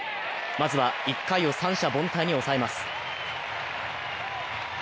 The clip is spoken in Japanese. まずは１回を三者凡退に抑えます。